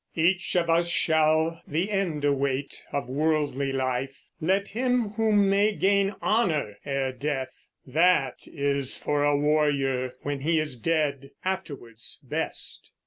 Each of us shall the end await Of worldly life: let him who may gain Honor ere death. That is for a warrior, When he is dead, afterwards best.